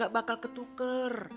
gak bakal ketuker